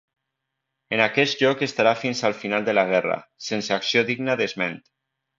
En aquest lloc estarà fins al final de la guerra, sense acció digna d'esment.